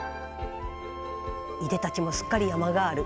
いでたちもすっかり山ガール。